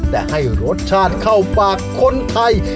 แต่ให้รสชาติเข้าปากคนไทย